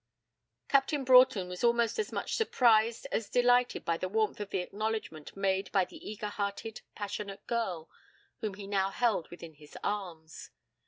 Captain Broughton was almost as much surprised as delighted by the warmth of the acknowledgment made by the eager hearted passionate girl whom he now held within his arms.